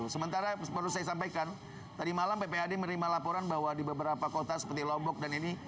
sementara perlu saya sampaikan tadi malam ppad menerima laporan bahwa di beberapa kota seperti lombok dan ini